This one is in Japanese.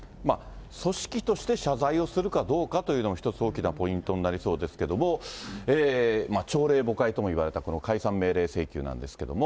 組織として謝罪をするかどうかというのも一つ大きなポイントになりそうですけれども、朝令暮改ともいわれた、この解散命令請求なんですけれども。